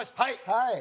はい。